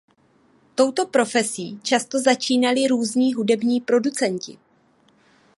Touto profesí často začínali různí hudební producenti.